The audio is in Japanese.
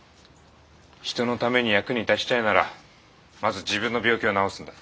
人のために役に立ちたいならまず自分の病気を治すんだ。